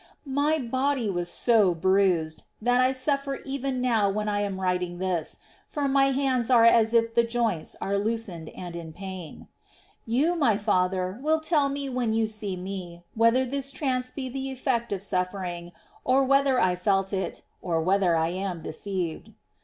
My body was so bruised, that I suffer even now when I am writing this ; for my hands are as if the joints were loosed, and in pain.^ You, my father, will tell me when you see me whether this trance be the effect of suffering, or whether I felt it, or whether I am deceived.